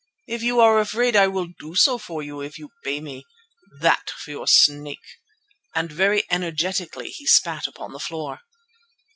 If you are afraid I will do so for you if you pay me. That for your snake," and very energetically he spat upon the floor.